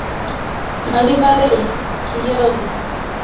Makibarei kiyogii.